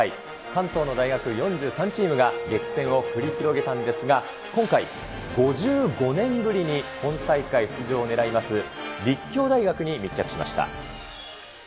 関東の大学４３チームが激戦を繰り広げたんですが、今回、５５年ぶりに本大会出場をねらいます、立教大学に密着しました。